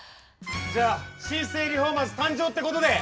じゃあ新生リフォーマーズ誕生ってことで。